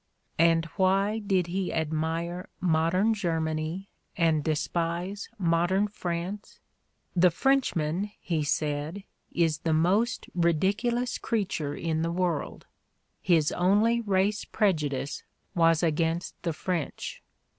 And why did he admire modern Germany and despise modern France ? The Frenchman, he said, is '' the most ridiculous creature in the world"; his "only race preju dice" was against the French.